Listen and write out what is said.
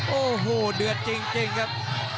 โอ้โหเดือดจริงครับ